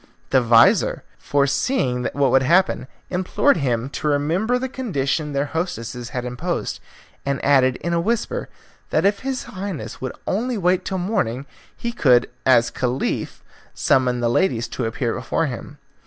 The vizir, foreseeing what would happen, implored him to remember the condition their hostesses had imposed, and added in a whisper that if his Highness would only wait till morning he could as Caliph summon the ladies to appear before him.